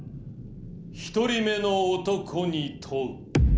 「１人目の男に問う。